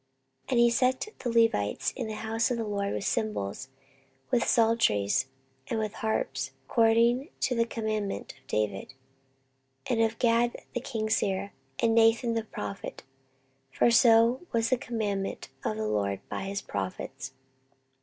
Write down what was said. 14:029:025 And he set the Levites in the house of the LORD with cymbals, with psalteries, and with harps, according to the commandment of David, and of Gad the king's seer, and Nathan the prophet: for so was the commandment of the LORD by his prophets.